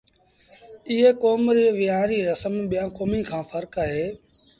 ايئ ڪوم ري ويهآݩ ريٚ رسم ٻيآݩ ڪوميݩ کآݩ ڦرڪ اهي